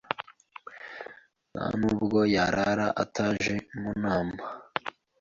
Ntanubwo yarara ataje mu nama